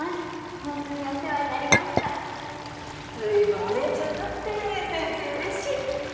ホントにお世話になりました随分お姉ちゃんになって先生嬉しい